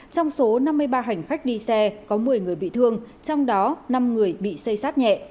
trong số năm mươi ba hành khách đi xe có một mươi người bị thương trong đó năm người bị xây sát nhẹ